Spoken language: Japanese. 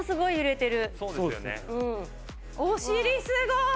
お尻すごい！